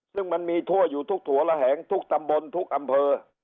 ซึ่งมันมีทั่วอยู่ทุกถั่วระแหงทุกตำบลทุกอำเภอ